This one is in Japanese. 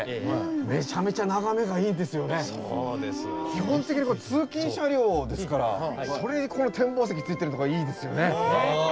基本的にこれ通勤車両ですからそれにこの展望席ついてるのがいいですよね。